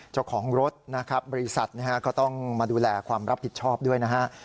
เจ้าของรถบริษัทก็ต้องมาดูแลความรับผิดชอบด้วย